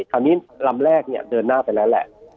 คราวนี้ลำแรกเนี่ยเดินหน้าไปแล้วแหละ